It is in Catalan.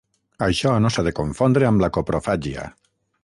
Això no s'ha de confondre amb la coprofàgia.